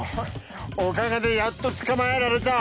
おかげでやっとつかまえられた。